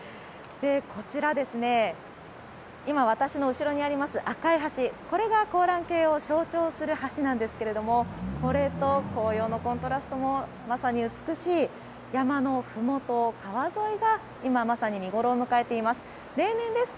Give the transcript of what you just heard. こちら、今私の後ろにあります、赤い橋これが香嵐渓を象徴する橋なんですけれどもこれと紅葉のコントラストもまさに美しい山の麓、川沿いが今まさに見頃を迎えています。